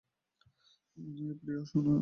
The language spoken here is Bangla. প্রিয়া শোনো তো।